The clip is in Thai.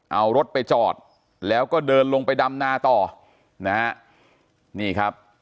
เอารถไปจอดแล้วก็เดินลงไปดำนาต่อนะฮะนี่ครับ